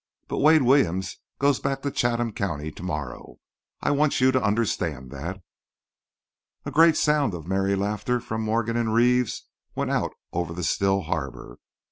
But Wade Williams goes back to Chatham County to morrow. I want you to understand that." A great sound of merry laughter from Morgan and Reeves went out over the still harbour.